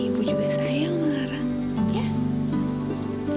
ibu juga sayang sama lara